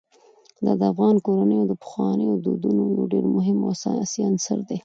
دا د افغان کورنیو د پخوانیو دودونو یو ډېر مهم او اساسي عنصر دی.